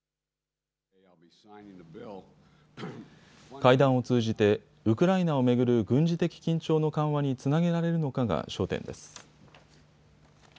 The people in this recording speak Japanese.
会談を通じてウクライナを巡る軍事的緊張の緩和につなげられるのかが焦点です。